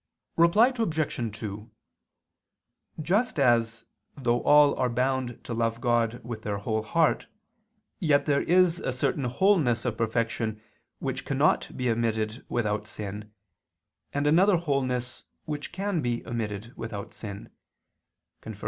Reply Obj. 2: Just as, though all are bound to love God with their whole heart, yet there is a certain wholeness of perfection which cannot be omitted without sin, and another wholeness which can be omitted without sin (Q.